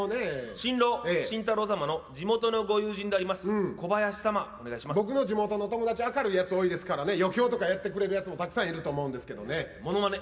新郎、晋太郎様の地元のご友人であります、僕の地元の友達、明るいやつ多いですからね、余興とかやってくれる奴もたくさんいると思うんものまね。